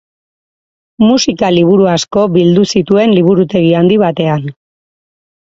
Musika-liburu asko bildu zituen liburutegi handi batean.